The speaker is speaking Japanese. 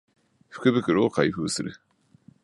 福袋を開封する